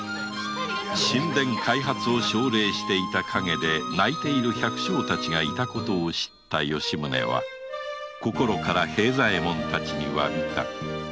「新田開発」を奨励していた陰で泣いている百姓たちがいた事を知った吉宗は心から平左衛門たちに詫びた